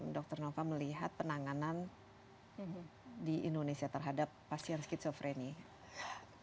dr nova melihat penanganan di indonesia terhadap pasien schizofrenia